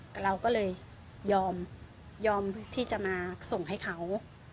แต่เราก็เลยยอมยอมที่จะมาส่งให้เขา